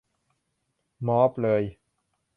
มอบเลย !